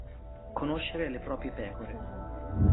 Conoscere le proprie pecore.